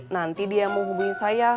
nanti dia mau hubungin saya